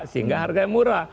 sehingga harga itu murah